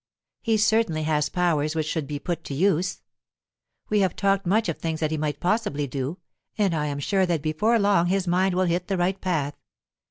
"He certainly has powers which should be put to use. We have talked much of things that he might possibly do, and I am sure that before long his mind will hit the right path.